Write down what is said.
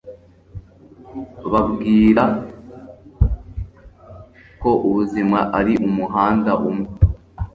Bambwira ko ubuzima ari umuhanda umwe